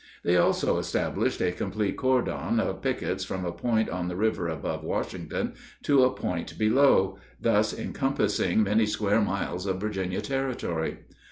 They also established a complete cordon of pickets from a point on the river above Washington to a point below, thus encompassing many square miles of Virginia territory.